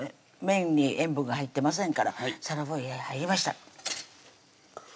麺に塩分が入ってませんからその分入りました